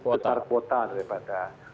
besar kuota daripada